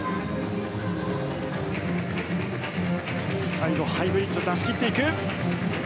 最後、ハイブリッド出しきっていく。